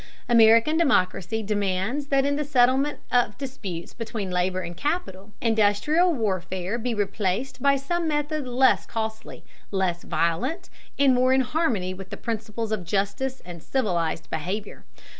American democracy demands that in the settlement of disputes between labor and capital, industrial warfare be replaced by some method less costly, less violent, and more in harmony with the principles of justice and civilized behavior.